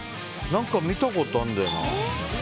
見たことあるんだよな。